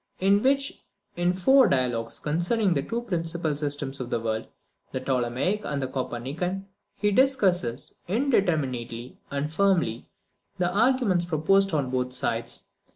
in which, in four dialogues concerning the two principal systems of the world the Ptolemaic and the Copernican he discusses, indeterminately and firmly, the arguments proposed on both sides."